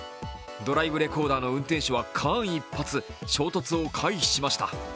ドライブレコーダーの運転手は間一髪、衝突を回避しました。